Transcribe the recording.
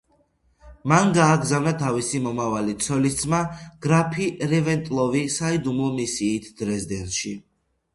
მან გაგზავნა თავისი მომავალი ცოლისძმა გრაფი რევენტლოვი საიდუმლო მისიით დრეზდენში.